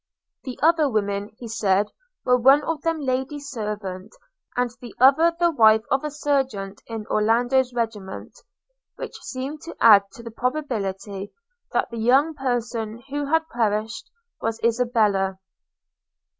The other women, he said, were, one of them the lady's servant, and the other the wife of a sergeant in Orlando's regiment; which seemed to add to the probability that the young person who had perished was Isabella.